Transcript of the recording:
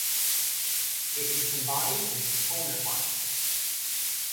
It is combined with tone marks.